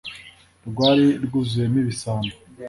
Rwari rwuzuyemo ibisambo